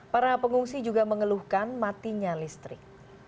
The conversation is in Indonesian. para pengungsi juga mengeluhkan matinya listrik